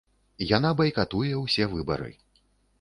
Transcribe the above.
Яна байкатуе ўсе выбары.